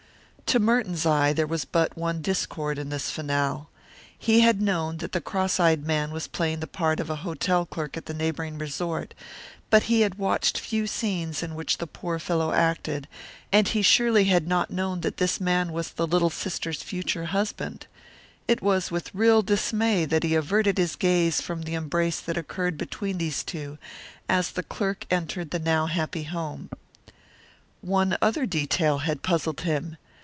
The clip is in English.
To Merton's eye there was but one discord in this finale. He had known that the cross eyed man was playing the part of hotel clerk at the neighbouring resort, but he had watched few scenes in which the poor fellow acted; and he surely had not known that this man was the little sister's future husband. It was with real dismay that he averted his gaze from the embrace that occurred between these two, as the clerk entered the now happy home. One other detail had puzzled him.